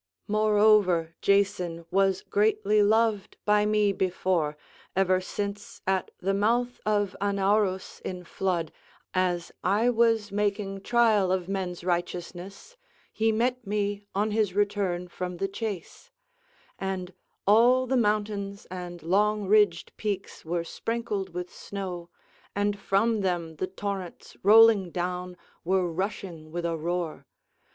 Moreover Jason was greatly loved by me before, ever since at the mouth of Anaurus in flood, as I was making trial of men's righteousness, he met me on his return from the chase; and all the mountains and long ridged peaks were sprinkled with snow, and from them the torrents rolling down were rushing with a roar.